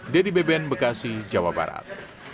dedy beben bekasi jawa barat